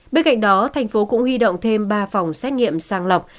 bên cạnh đó tp hcm cũng huy động thêm ba phòng xét nghiệm sang lọc